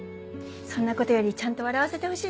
そんなことよりちゃんと笑わせてほしいな。